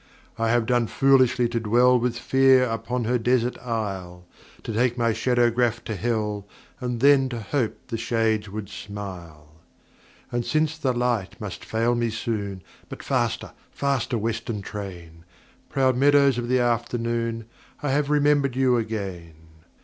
I have done foolishly to dwell With Fear upon her desert isle, To take my shadowgraph to Hell, And then to hope the shades would smile. 94 And since the light must fall me soon (But faster, faster, Western train !) Proud meadows of the afternoon, I have remembered you again.